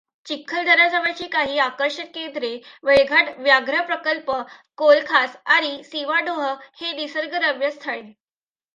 चिखलदऱ्याजवळची काही आकर्षण केंद्रे मेळघाट व्याघ्रप्रकल्प, कोलखास आणि सीमाडोह हे निसर्गरम्य स्थळे.